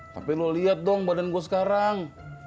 tapi lo lihat dong badan gue sekarang